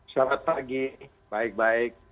selamat pagi baik baik